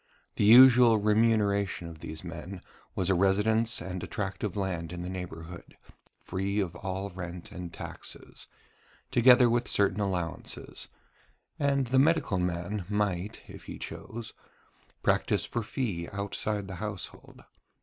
The usual remuneration of these men was a residence and a tract of land in the neighbourhood, free of all rent and taxes, together with certain allowances: and the medical man might, if he chose, practise for fee outside the household.